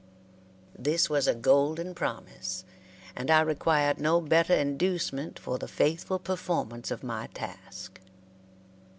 This was a golden promise, and I required no better inducement for the faithful performance of my task.